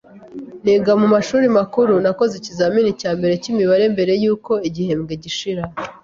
Niga mu mashuri makuru, nakoze ikizamini cya mbere cy’imibare mbere y’uko igihembwe gishira.